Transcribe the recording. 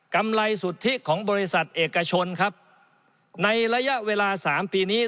กำไรสุทธิของบริษัทเอกชนครับในระยะเวลาสามปีนี้